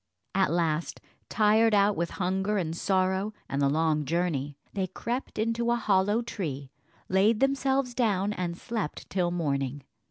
At last, tired out with hunger and sorrow, and the long journey, they crept into a hollow tree, laid themselves down, and slept till morning.